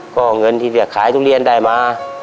ก็เงินที่สำหรับขายทุเรียนได้มา